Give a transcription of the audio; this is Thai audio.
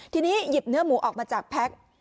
ทีนี้หยิบเนื้อหมูออกมาจากแพ็ค